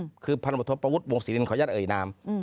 อืมคือพันธุประวุธวงศ์ศรีรินของญาติเอ่ยนามอืม